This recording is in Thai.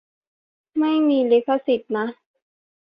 ไม่มีลิขสิทธิ์นะ